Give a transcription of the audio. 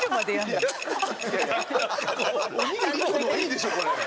おにぎり１個の方がいいでしょこれ。